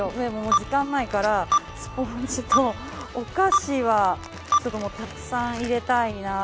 時間がないからスポンジと、お菓子はたくさん入れたいな。